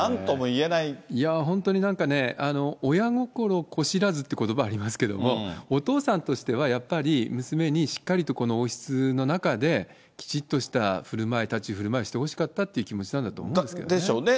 いやぁ、本当になんかね、親心子知らずっていうことばありますけれども、お父さんとしては、やっぱり娘にしっかりとこの王室の中できちっとしたふるまい、立ち居振る舞いしてほしかったという思いだったと思うんですけどでしょうね。